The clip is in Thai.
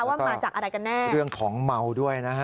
ว่ามาจากอะไรกันแน่เรื่องของเมาด้วยนะฮะ